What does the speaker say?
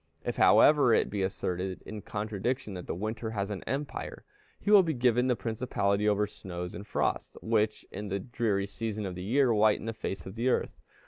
If, however, it be asserted, in contradiction, that the winter has an empire, he will be given the principality over snows and frosts, which, in the dreary season of the year, whiten the face of the earth.